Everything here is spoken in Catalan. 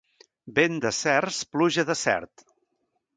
Vent de cerç, pluja de cert.